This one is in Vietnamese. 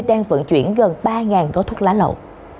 đang vận chuyển gần ba gói thuốc lá lậu